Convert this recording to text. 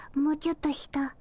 もうちょっと下。